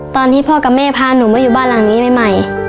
ตอนที่พ่อกับแม่พาหนูมาอยู่บ้านหลังนี้ใหม่